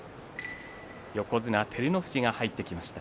横綱照ノ富士が入ってきました。